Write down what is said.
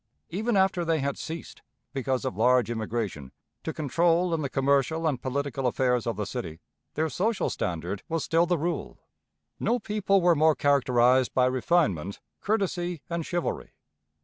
Even after they had ceased, because of large immigration, to control in the commercial and political affairs of the city, their social standard was still the rule. No people were more characterized by refinement, courtesy, and chivalry.